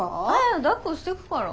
あだっこしてくから。